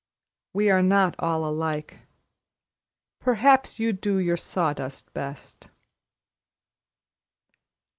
We are not all alike. Perhaps you do your sawdust best."